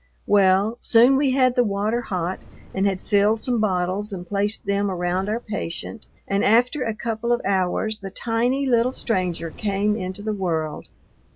Well, soon we had the water hot and had filled some bottles and placed them around our patient, and after a couple of hours the tiny little stranger came into the world.